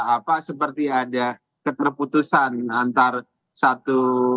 apa seperti ada keterputusan antar satu